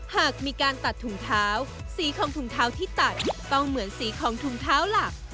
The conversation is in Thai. หากมีการตัดถุงเท้าสีของถุงเท้าที่ตัดต้องเหมือนสีของถุงเท้าหลัก